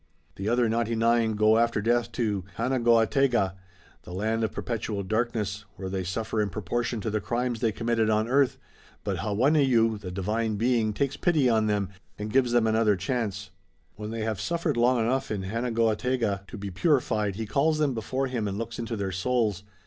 "The other ninety nine go after death to Hanegoategeh, the land of perpetual darkness, where they suffer in proportion to the crimes they committed on earth, but Hawenneyu, the Divine Being, takes pity on them and gives them another chance. When they have suffered long enough in Hanegoategeh to be purified he calls them before him and looks into their souls.